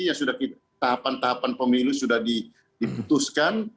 yang sudah tahapan tahapan pemilu sudah diputuskan